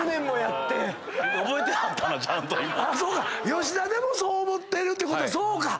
吉田でもそう思ってるってこと⁉そうか！